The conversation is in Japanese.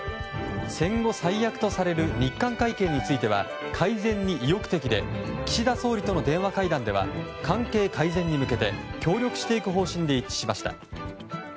戦後最悪とされる日韓関係については改善に意欲的で岸田総理との電話会談では関係改善に向けて、協力していく方針で一致しました。